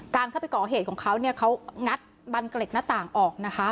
เข้าไปก่อเหตุของเขาเนี่ยเขางัดบันเกล็ดหน้าต่างออกนะคะ